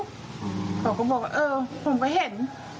เขาก็บอกว่าเออผมก็เห็น